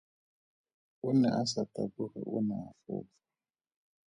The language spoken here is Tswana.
O ne a sa taboge o ne a fofa.